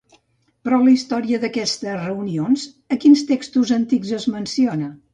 Però la història d'aquestes reunions a quins textos antics es menciona?